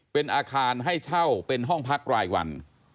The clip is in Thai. เป็นอาคารให้เช่าเป็นห้องพักรายวัน